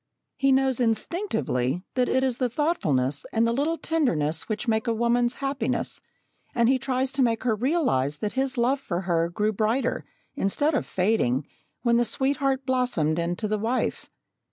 He knows instinctively that it is the thoughtfulness and the little tenderness which make a woman's happiness, and he tries to make her realise that his love for her grew brighter, instead of fading, when the sweetheart blossomed into the wife.